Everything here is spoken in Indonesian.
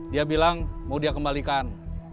dia bilang mau dia kembalikan